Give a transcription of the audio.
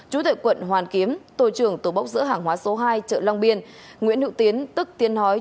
chủ tịch quận hoàn kiếm tổ trưởng tổ bốc giữa hàng hóa số hai chợ long biên nguyễn hữu tiến tức tiên hói